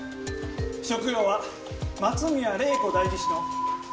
職業は松宮玲子代議士の私設秘書だ。